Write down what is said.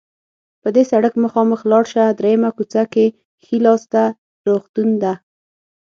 په دې سړک مخامخ لاړ شه، دریمه کوڅه کې ښي لاس ته روغتون ده.